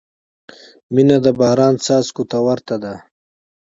• مینه د باران څاڅکو ته ورته ده.